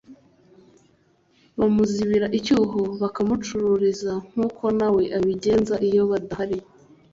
bamuzibira icyuho bakamucururiza nk’uko nawe abigenza iyo badahari